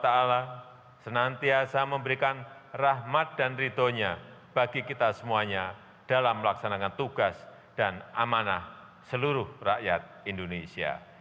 semoga allah swt senantiasa memberikan rahmat dan ritunya bagi kita semuanya dalam melaksanakan tugas dan amanah seluruh rakyat indonesia